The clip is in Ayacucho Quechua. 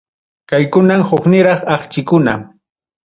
Kaykunam hukniraq akchikuna.